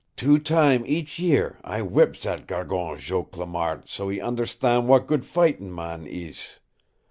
"Two time each year I w'ip zat gargon Joe Clamart so he understan' w'at good fightin' man ees.